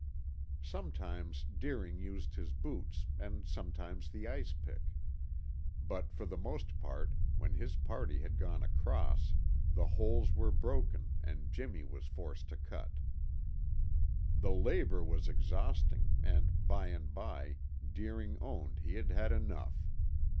Sometimes Deering used his boots and sometimes the ice pick; but, for the most part, when his party had gone across, the holes were broken and Jimmy was forced to cut. The labor was exhausting and by and by Deering owned he had had enough.